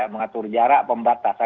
mengatur jarak pembatasan